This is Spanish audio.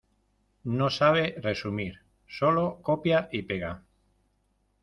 No sabe resumir, sólo copia y pega.